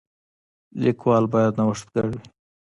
لیکوال باید نوښتګر وي.